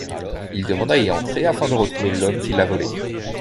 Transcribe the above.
Il demande à y entrer afin de retrouver l'homme qui l'a volé.